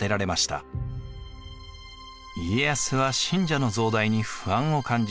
家康は信者の増大に不安を感じ